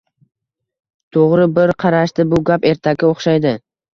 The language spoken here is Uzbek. To’g’ri, bir qarashda bu gap ertakka o’xshaydi